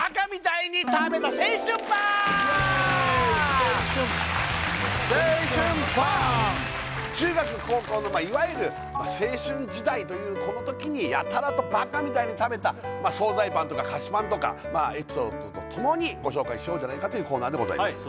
青春青春パン青春パン中学高校のいわゆる青春時代というこの時にやたらとバカみたいに食べた総菜パンとか菓子パンとかまあエピソードとともにご紹介しようじゃないかというコーナーでございます